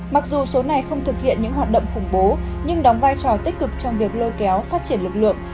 mặc dù số này không thực hiện những hoạt động khủng bố nhưng đóng vai trò tích cực trong việc lôi kéo phát triển lực lượng